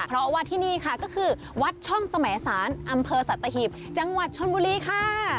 เพราะว่าที่นี่ค่ะก็คือวัดช่องสมสารอำเภอสัตหีบจังหวัดชนบุรีค่ะ